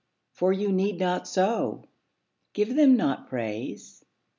For you need not so. Give them not praise.